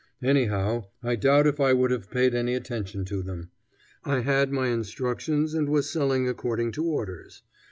Anyhow, I doubt if I would have paid any attention to them. I had my instructions and was selling according to orders.